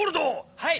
はい。